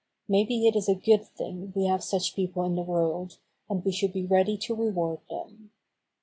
Maybe it is a good thing we have such people in the world, and we should be ready to reward them.